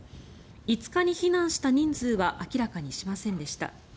５日に避難した人数は明らかにしませんでした。